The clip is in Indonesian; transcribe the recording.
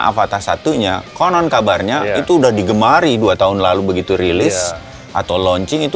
apatah satunya konon kabarnya itu udah digemari dua tahun lalu begitu rilis atau launching itu